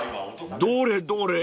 ［どれどれ？］